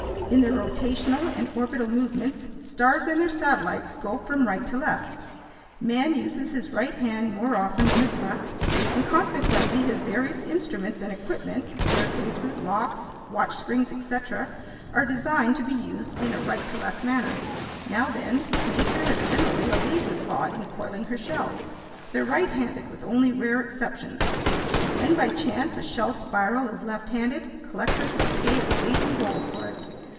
In their rotational and orbital movements, stars and their satellites go from right to left. Man uses his right hand more often than his left, and consequently his various instruments and equipment (staircases, locks, watch springs, etc.) are designed to be used in a right to left manner. Now then, nature has generally obeyed this law in coiling her shells. They're right handed with only rare exceptions, and when by chance a shell's spiral is left handed, collectors will pay its weight in gold for it.